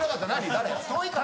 誰？